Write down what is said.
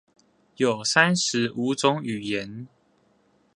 有三十五種語言